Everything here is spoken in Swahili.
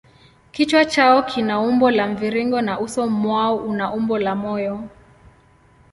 Kichwa chao kina umbo la mviringo na uso mwao una umbo la moyo.